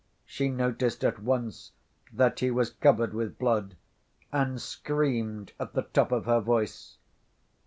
She noticed at once that he was covered with blood, and screamed at the top of her voice.